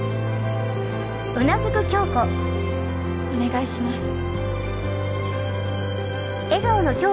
お願いします。